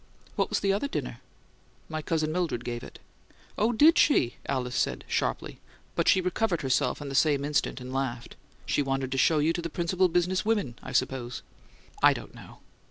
"What was the other dinner?" "My cousin Mildred gave it." "Oh, DID she!" Alice said, sharply, but she recovered herself in the same instant, and laughed. "She wanted to show you to the principal business women, I suppose." "I don't know.